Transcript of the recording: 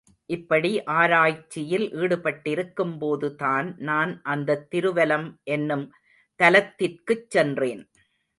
இப்படி ஆராய்ச்சியில் ஈடுபட்டிருக்கும் போதுதான் நான் அந்தத் திருவலம் என்னும் தலத்திற்குச் சென்றேன்.